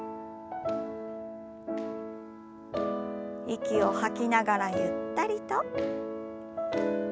息を吐きながらゆったりと。